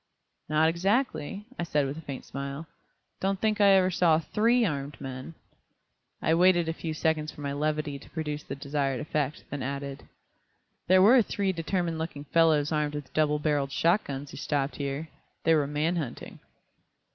"Not exactly," I said with a faint smile. "Don't think I ever saw THREE armed men." I waited a few seconds for my levity to produce the desired effect, then added: "There were three determined looking fellows armed with double barreled shot guns who stopped here. They were man hunting."